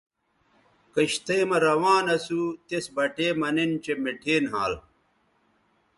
کشتئ مہ روان اسو تس بٹے مہ نِن چہء مٹھے نھال